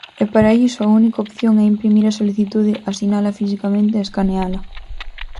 E para iso a única opción é imprimir a solicitude, asinala fisicamente e escaneala.